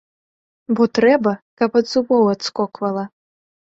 Бо трэба, каб ад зубоў адскоквала!